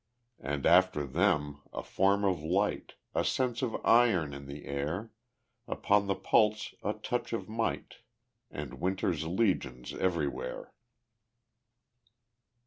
And after them a form of light, A sense of iron in the air, Upon the pulse a touch of might And winter's legions everywhere.